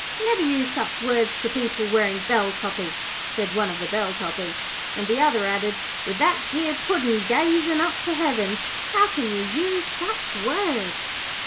'Never use such words to people wearing bell toppers,' said one of the bell topperers, and the other added, 'With that dear Puddin' gazing up to heaven, how can you use such words?'